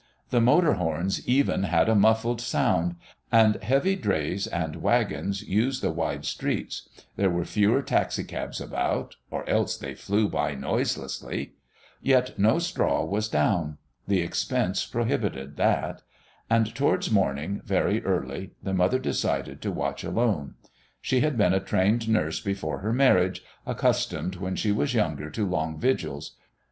The motor horns even had a muffled sound, and heavy drays and wagons used the wide streets; there were fewer taxicabs about, or else they flew by noiselessly. Yet no straw was down; the expense prohibited that. And towards morning, very early, the mother decided to watch alone. She had been a trained nurse before her marriage, accustomed when she was younger to long vigils.